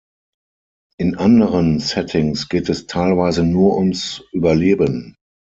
In anderen Settings geht es teilweise nur ums Überleben.